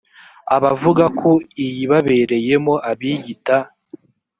abavuga ko iyibabereyemo abiyita